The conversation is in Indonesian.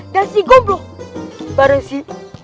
dan si gombro bareng si